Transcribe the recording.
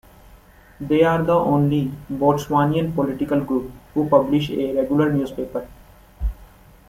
They are the only Botswanian political group who publish a regular newspaper.